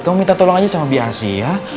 kamu minta tolong aja sama biasi ya